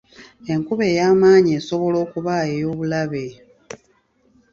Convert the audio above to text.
Enkuba ey'amaanyi esobola okuba ey'obulabe.